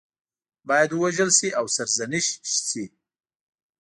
باید ووژل شي او سرزنش شي.